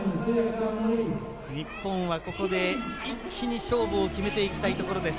日本はここで一気に勝負を決めて行きたいところです。